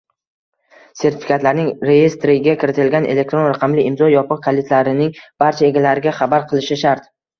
sertifikatlarining reyestriga kiritilgan elektron raqamli imzo yopiq kalitlarining barcha egalariga xabar qilishi shart.